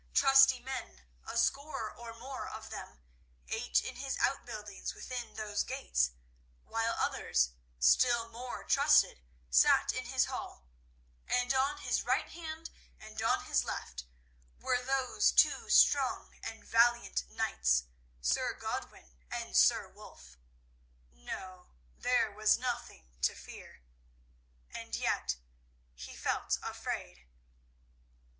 Trusty men, a score or more of them, ate in his outbuildings within those gates; while others, still more trusted, sat in his hall; and on his right hand and on his left were those two strong and valiant knights, Sir Godwin and Sir Wulf. No, there was nothing to fear—and yet he felt afraid.